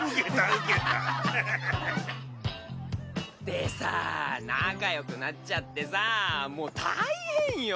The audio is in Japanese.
でさ仲よくなっちゃってさもう大変よ。